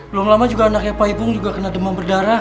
belum lama juga anaknya pak ipung juga kena demam berdarah